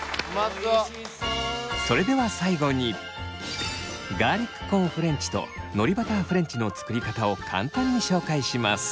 それでは最後にガーリックコーンフレンチとのりバターフレンチの作り方を簡単に紹介します。